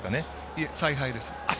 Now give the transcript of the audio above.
いえ、采配です。